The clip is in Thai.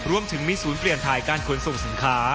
รวมถึงมีศูนย์เปลี่ยนถ่ายการขนส่งสินค้า